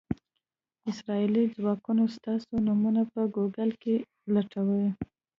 اسرائیلي ځواکونه ستاسو نومونه په ګوګل کې لټوي.